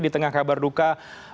di tengah kabar duka